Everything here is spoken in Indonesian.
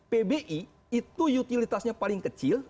pbi itu utilitasnya paling kecil